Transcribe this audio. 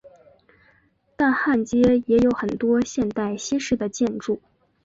但汉街也有很多现代西式的建筑。